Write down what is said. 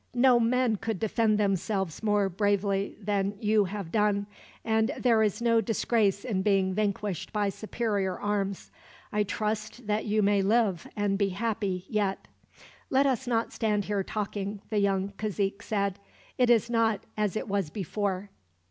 "No men could defend themselves more bravely than you have done, and there is no disgrace in being vanquished by superior arms. I trust that you may live, and be happy, yet." "Let us not stand here talking," the young cazique said. "It is not as it was before.